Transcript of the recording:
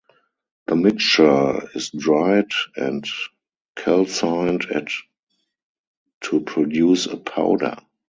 The mixture is dried and calcined at to produce a powder.